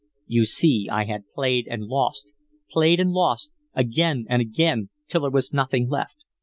You see, I had played and lost, played and lost, again and again, till there was nothing left.